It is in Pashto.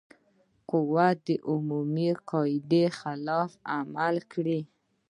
قدرت عمومي قاعدې خلاف عمل کړی.